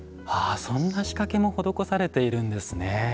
そんな仕掛けも施されているんですね。